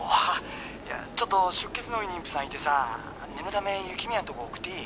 「ちょっと出血の多い妊婦さんいてさ念のため雪宮んとこ送っていい？」